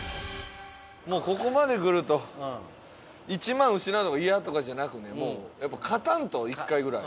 もうここまでくると１万失うのがイヤとかじゃなくねもうやっぱり勝たんと１回ぐらい。